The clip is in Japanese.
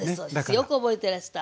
よく覚えてらした。